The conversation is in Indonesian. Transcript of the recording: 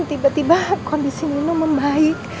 tiba tiba kondisi minum membaik